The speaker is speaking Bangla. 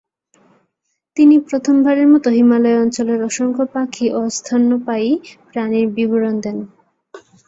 তিনি প্রথমবারের মত হিমালয় অঞ্চলের অসংখ্য পাখি ও স্তন্যপায়ী প্রাণীর বিবরণ দেন।